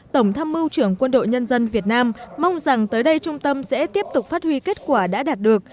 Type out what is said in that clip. tổng tham mưu trưởng quân đội nhân dân việt nam mong rằng tới đây trung tâm sẽ tiếp tục phát huy kết quả đã đạt được